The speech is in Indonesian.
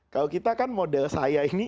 kalau kita kan model saya ini